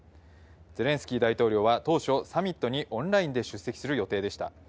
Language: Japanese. ゼレンスキー大統領は当初、サミットにオンラインで出席する予定でした。